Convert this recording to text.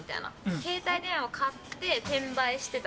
携帯電話を買って転売してた。